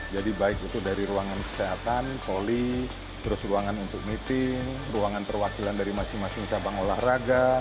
jadi baik itu dari ruangan kesehatan poli terus ruangan untuk meeting ruangan perwakilan dari masing masing cabang olahraga